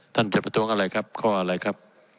ท่านเป็นหัวทุ้งอะไรครับข้ออะไรครับ